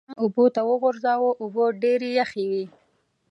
مې ځان اوبو ته وغورځاوه، اوبه ډېرې یخې وې.